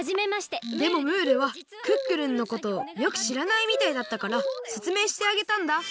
でもムールはクックルンのことをよくしらないみたいだったからせつめいしてあげたんだ